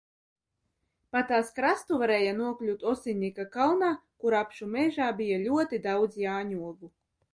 Pa tās krastu varēja nokļūt Osinnika kalnā, kur apšu mežā bija ļoti daudz jāņogu.